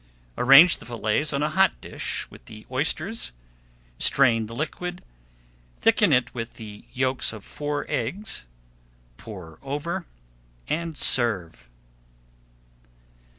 Arrange the fillets on a hot dish with the oysters, strain the liquid, thicken it with the yolks of four eggs, pour over, and serve.